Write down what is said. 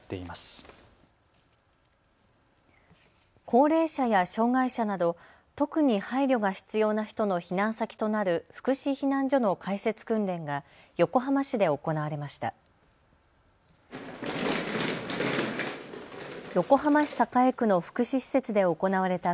高齢者や障害者など特に配慮が必要な人の避難先となる福祉避難所の開設訓練が横浜市で行われました。